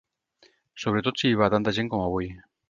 Sobretot si hi va tanta gent com avui.